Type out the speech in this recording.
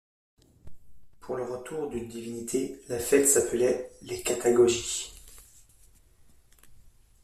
Pour le retour d'une divinité, la fête s'appelait des catagogies.